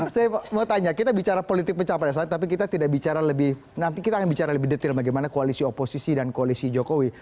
saya mau tanya kita bicara politik pencapresan tapi kita tidak bicara lebih nanti kita akan bicara lebih detail bagaimana koalisi oposisi dan koalisi jokowi